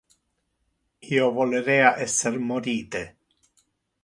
Io volerea esser morite.